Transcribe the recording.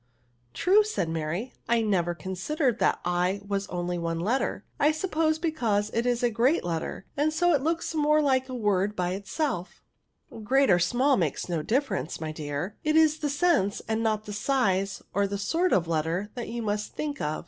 True," said Mary, I nevet considered that I was only one letter ; I suppose be cause it is a great letter, and so it looks mc^e like a word by itself," '' Great or small makes no difference, my dear ; it is the sense, and not the size or the sort of letter, that you must think of.